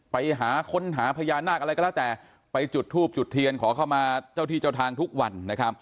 ไปหาค้นหาพญานาคอะไรก็แล้วแต่ไปจุดทูบจุดเทียนขอเข้ามาเจ้าที่เจ้าทางทุกวันนะครับ